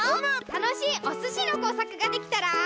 たのしいおすしのこうさくができたら。